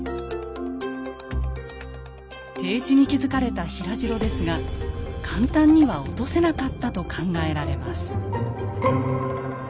低地に築かれた平城ですが簡単には落とせなかったと考えられます。